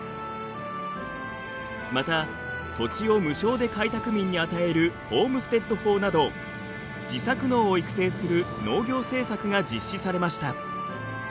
また土地を無償で開拓民に与えるホームステッド法など自作農を育成する農業政策が実施されました。